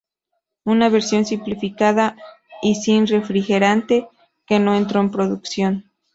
Una versión simplificada y sin refrigerante que no entró en producción.